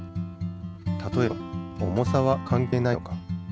例えば重さは関係ないのか？